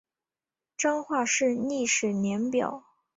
彰化市历史年表